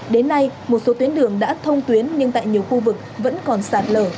đến nay một số tuyến đường đã thông tuyến nhưng tại nhiều khu vực vẫn còn sạt lở